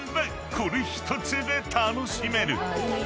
これ１つで楽しめる］